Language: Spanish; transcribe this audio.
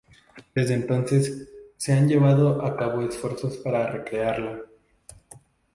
Desde entonces, se han llevado a cabo esfuerzos para re-crearla.